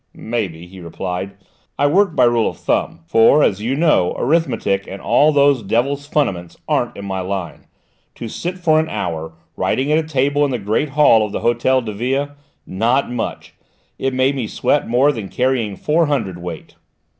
"Maybe," he replied. "I worked by rule of thumb, for, as you know, arithmetic and all those devil's funniments aren't in my line. To sit for an hour, writing at a table in the great hall of the Hôtel de Ville not much! It made me sweat more than carrying four hundredweight!"